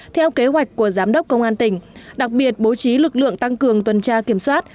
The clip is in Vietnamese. theo kế hoạch của giám đốc công an tỉnh đặc biệt bố trí lực lượng tăng cường tuần tra kiểm soát